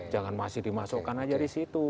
jangan masih dimasukkan aja di situ